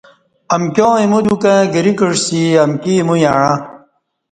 امکیاں ایمو دیوکں گری کعسیہ امکی ایمو یعݩہ